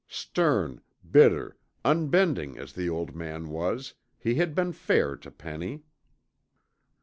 Stern, bitter, unbending as the old man was, he had been fair to Penny.